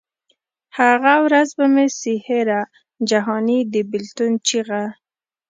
هغه ورځ به مي سي هېره جهاني د بېلتون چیغه